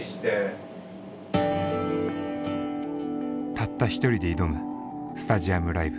たった１人で挑むスタジアムライブ。